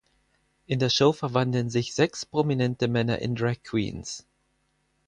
In der Show verwandeln sich sechs prominente Männer in Dragqueens.